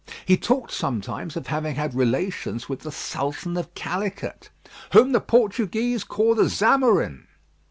He talked sometimes of having had relations with the Sultan of Calicut, "whom the Portuguese call the Zamorin."